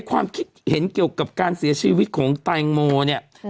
ความคิดเห็นเกี่ยวกับการเสียชีวิตของแตงโมเนี่ย